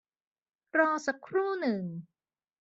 รอสักครู่หนึ่ง